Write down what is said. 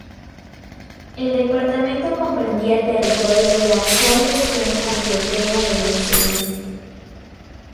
El departamento comprendía territorio de la actual región antioqueña del Occidente.